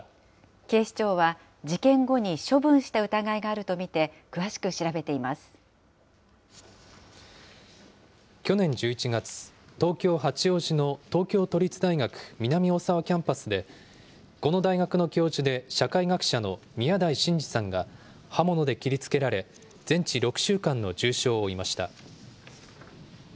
警視庁は事件後に処分した疑いがあると見て詳しく調べていま去年１１月、東京・八王子の東京都立大学・南大沢キャンパスで、この大学の教授で社会学者の宮台真司さんが、刃物で切りつけられ、全治６週間の重傷を負いました。